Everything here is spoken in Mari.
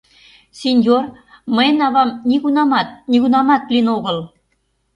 — Синьор, мыйын авам нигунамат, нигунамат лийын огыл.